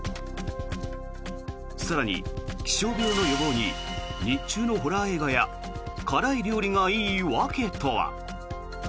更に、気象病の予防に日中のホラー映画や辛い料理がいい訳とは。